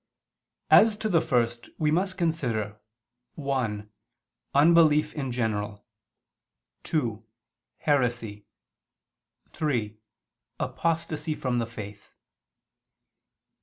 As to the first, we must consider (1) unbelief in general; (2) heresy; (3) apostasy from the faith.